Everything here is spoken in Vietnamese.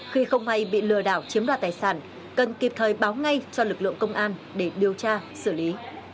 khi không may bị lừa đảo chiếm đoạt tài sản cần kịp thời báo ngay cho lực lượng công an để điều tra xử lý